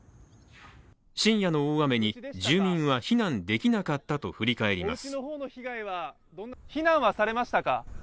深夜の大雨に、住民は避難できなかったと振り返ります。